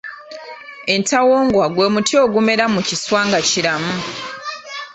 Entawongwa gwe muti ogumera mu kiswa nga kiramu.